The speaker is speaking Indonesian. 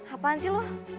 apaan sih lu